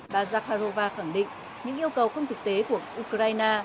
bà zakharova khẳng định những yêu cầu không thực tế của ukraine